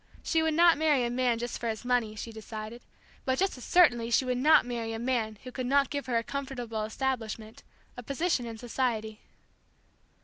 She would not marry a man just for his money, she decided, but just as certainly she would not marry a man who could not give her a comfortable establishment, a position in society.